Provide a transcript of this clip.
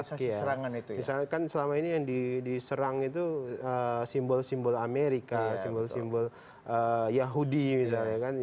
misalnya kan selama ini yang diserang itu simbol simbol amerika simbol simbol yahudi misalnya kan